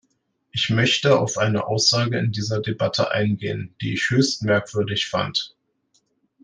Ich möchte auf eine Aussage in dieser Debatte eingehen, die ich höchst merkwürdig fand.